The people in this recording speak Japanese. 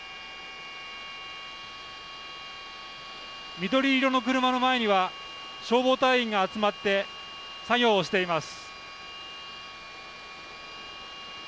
緑色の車の前には消防隊員が集まって作業をしています。